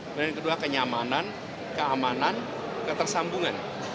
kemudian yang kedua kenyamanan keamanan ketersambungan